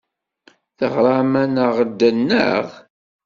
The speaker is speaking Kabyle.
Teɣram-aneɣ-d, naɣ?